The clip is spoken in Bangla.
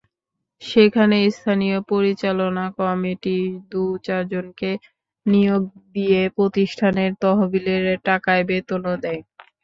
সেখানে স্থানীয় পরিচালনা কমিটি দু-চারজনকে নিয়োগ দিয়ে প্রতিষ্ঠানের তহবিলের টাকায় বেতনও দেয়।